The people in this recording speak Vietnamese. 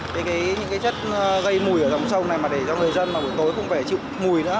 những cái chất gây mùi ở dòng sông này mà để cho người dân mà buổi tối không phải chịu mùi nữa